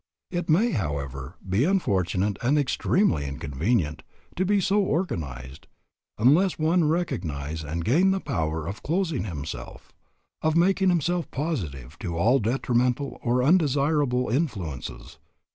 It may, however, be unfortunate and extremely inconvenient to be so organized unless one recognize and gain the power of closing himself, of making himself positive to all detrimental or undesirable influences.